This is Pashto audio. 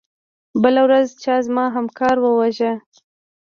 بله ورځ چا زما همکار وواژه.